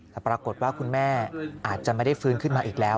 แต่ปรากฏว่าคุณแม่อาจจะไม่ได้ฟื้นขึ้นมาอีกแล้ว